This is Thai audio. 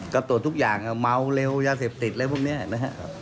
ก็ตรวจทุกอย่างเมาเร็วยาเสพติดอะไรพวกนี้นะครับ